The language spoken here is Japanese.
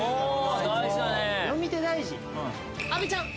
阿部ちゃん